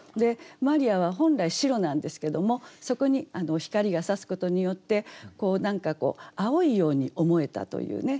マリアは本来白なんですけどもそこに光がさすことによって青いように思えたというね。